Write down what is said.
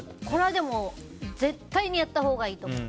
でも絶対にやったほうがいいと思う。